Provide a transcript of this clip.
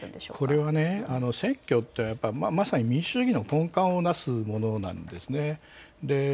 これは、選挙ってまさに民主主義の根幹をなすものなんですね。